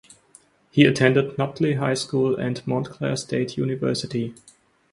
He attended Nutley High School and Montclair State University.